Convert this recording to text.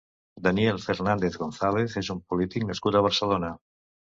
Daniel Fernández González és un polític nascut a Barcelona.